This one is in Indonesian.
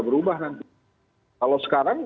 berubah nanti kalau sekarang